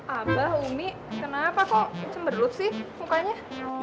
abah umi kenapa kok cemberlup sih mukanya